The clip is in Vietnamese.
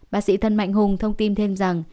bác sĩ thân mạnh hùng thông tin thêm rằng